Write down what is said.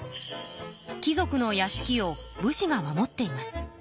貴族のやしきを武士が守っています。